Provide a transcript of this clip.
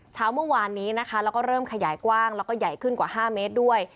เช้าเมื่อวานนี้นะคะแล้วก็เริ่มขยายกว้างแล้วก็ใหญ่ขึ้นกว่า๕เมตรด้วย